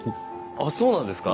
あっそうなんですか？